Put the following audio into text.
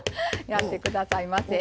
やってくださいませ。